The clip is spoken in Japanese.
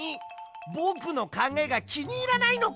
ぼくのかんがえがきにいらないのか？